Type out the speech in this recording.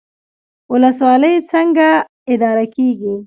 ولسوالۍ څنګه اداره کیږي؟